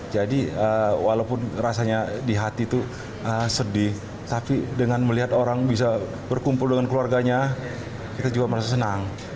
jadi walaupun rasanya di hati itu sedih tapi dengan melihat orang bisa berkumpul dengan keluarganya kita juga merasa senang